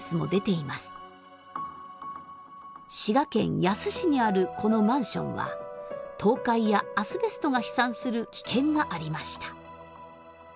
滋賀県野洲市にあるこのマンションは倒壊やアスベストが飛散する危険がありました。